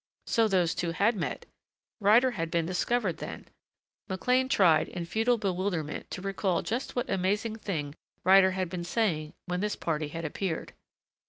So those two had met! Ryder had been discovered then.... McLean tried, in futile bewilderment, to recall just what amazing thing Ryder had been saying when this party had appeared.